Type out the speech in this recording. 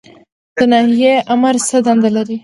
د ناحیې آمر څه دنده لري؟